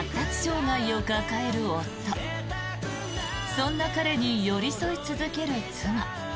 そんな彼に寄り添い続ける妻。